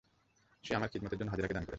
আর সে আমার খিদমতের জন্যে হাজেরাকে দান করেছে।